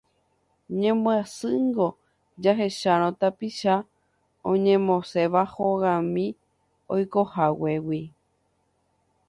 Ñambyasýngo jahechárõ tapicha oñemosẽva hogami oikohaguégui.